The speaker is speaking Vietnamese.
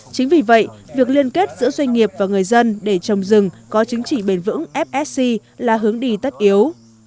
chính vì vậy việc liên kết giữa doanh nghiệp và người dân để trồng rừng có chứng chỉ bền vững fsc là hướng đi tất yếu